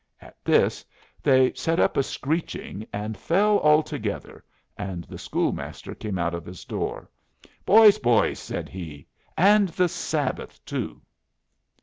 At this they set up a screeching and fell all together, and the school master came out of his door. "Boys, boys!" said he. "And the Sabbath too!"